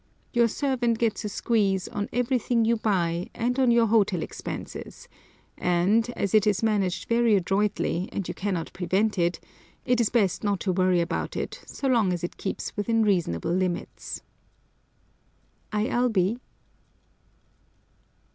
Your servant gets a "squeeze" on everything you buy, and on your hotel expenses, and, as it is managed very adroitly, and you cannot prevent it, it is best not to worry about it so long as it keeps within reasonable limits. I. L.